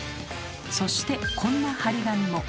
そしてこんな貼り紙も。